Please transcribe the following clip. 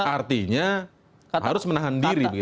artinya harus menahan diri begitu ya